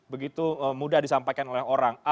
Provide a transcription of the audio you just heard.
begitu mudah disampaikan oleh orang